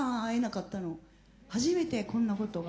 初めてこんなことが。